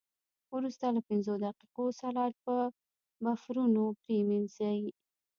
وروسته له پنځو دقیقو سلایډ په بفرونو پرېمنځئ.